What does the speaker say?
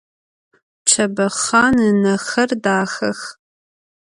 Çebexhan ınexer daxex.